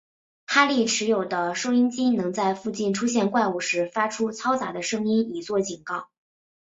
哈利持有的收音机能在附近出现怪物时发出嘈杂的声音以作警告。